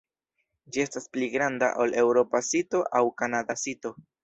Ĝi estas pli granda ol eŭropa sito aŭ kanada sito.